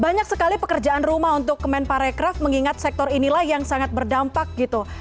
banyak sekali pekerjaan rumah untuk kemenparekraf mengingat sektor inilah yang sangat berdampak gitu